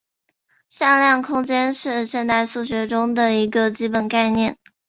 向量空间是现代数学中的一个基本概念。